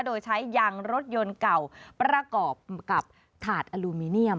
โดยใช้ยางรถยนต์เก่าประกอบกับถาดอลูมิเนียม